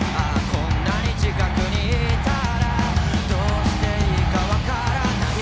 こんなに近くにいたらどうしていいか判らない